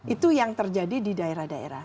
itu yang terjadi di daerah daerah